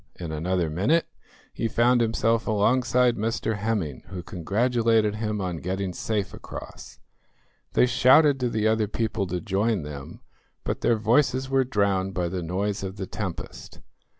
In another minute he found himself alongside Mr Hemming, who congratulated him on getting safe across. They shouted to the other people to join them, but their voices were drowned by the noise of the tempest.